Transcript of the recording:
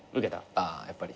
ああやっぱり。